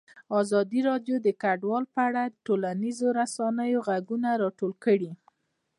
ازادي راډیو د کډوال په اړه د ټولنیزو رسنیو غبرګونونه راټول کړي.